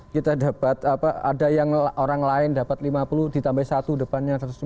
kita dapat ada yang orang lain dapat lima puluh ditambah satu depannya satu ratus lima puluh